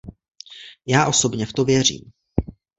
Já osobně v to věřím.